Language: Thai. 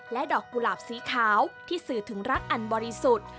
ดอกกุหลาบสีขาวที่สื่อถึงรักอันบริสุทธิ์